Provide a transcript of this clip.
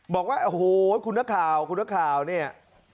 บอกว่าโอ้โหคุณสาขาวคุณสาขาวเนี่ย